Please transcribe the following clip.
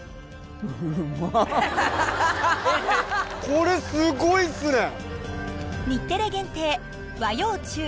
これすごいっすね。